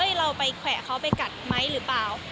เราไปแขวะเขาไปกัดไหมหรือเปล่า